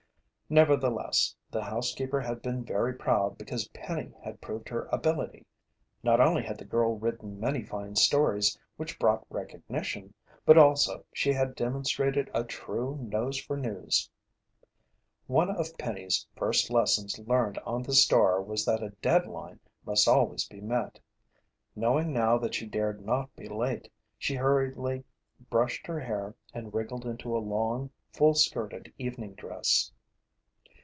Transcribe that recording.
Nevertheless, the housekeeper had been very proud because Penny had proved her ability. Not only had the girl written many fine stories which brought recognition, but also she had demonstrated a true "nose for news." One of Penny's first lessons learned on the Star was that a deadline must always be met. Knowing now that she dared not be late, she hurriedly brushed her hair and wriggled into a long, full skirted evening dress.